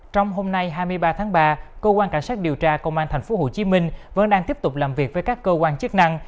trong hôm nay hai mươi ba tháng ba cơ quan cảnh sát điều tra công an tp hcm vẫn đang tiếp tục làm việc với các cơ quan chức năng